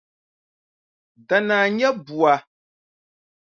Danaa nya bua.